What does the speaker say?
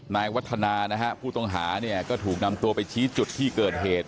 นายวัฒนานะฮะผู้ต้องหาเนี่ยก็ถูกนำตัวไปชี้จุดที่เกิดเหตุ